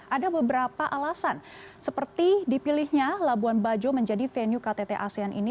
ada beberapa alasan seperti dipilihnya labuan bajo menjadi venue ktt asean ini